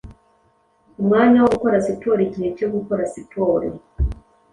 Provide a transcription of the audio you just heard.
Umwanya wo gukora siporo Igihe cyo gukora siporo.